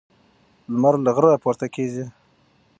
لمر له غره راپورته کیږي.